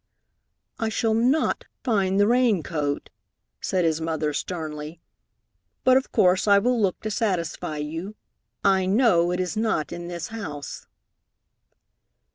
"I shall not find the rain coat," said his mother sternly, "but of course I will look to satisfy you. I know it is not in this house."